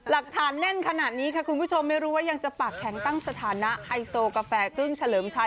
แน่นขนาดนี้ค่ะคุณผู้ชมไม่รู้ว่ายังจะปากแข็งตั้งสถานะไฮโซกาแฟกึ้งเฉลิมชัย